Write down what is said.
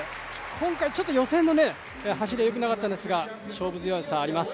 今回予選の走りがよくなかったんですが勝負強さあります。